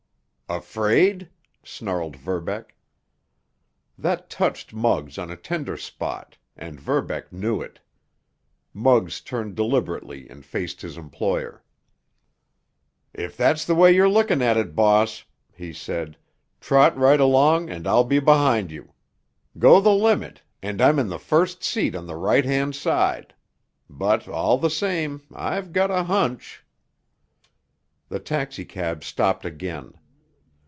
"Afraid?" snarled Verbeck. That touched Muggs on a tender spot, and Verbeck knew it. Muggs turned deliberately and faced his employer. "If that's the way you're looking at it, boss," he said, "trot right along and I'll be behind you. Go the limit, and I'm in the first seat on the right hand side. But, all the same, I've got a hunch." The taxicab stopped again.